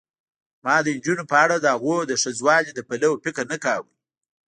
ما د نجونو په اړه دهغو د ښځوالي له پلوه فکر نه کاوه.